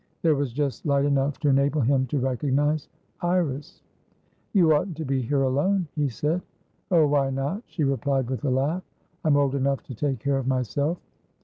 There was just light enough to enable him to recognise Iris. "You oughtn't to be here alone," he said. "Oh, why not?" she replied with a laugh. "I'm old enough to take care of myself."